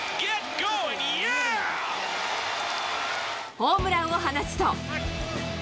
ホームランを放つと。